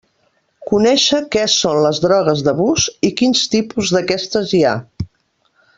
Conéixer què són les drogues d'abús i quins tipus d'aquestes hi ha.